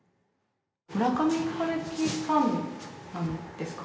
村上春樹ファンなんですか？